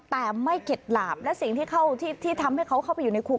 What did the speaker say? แต่ไม่เข็ดหลาบและสิ่งที่ทำให้เขาเข้าไปอยู่ในคุก